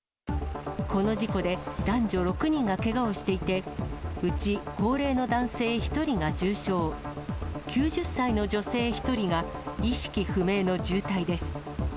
この事故で、男女６人がけがをしていて、うち高齢の男性１人が重傷、９０歳の女性１人が意識不明の重体です。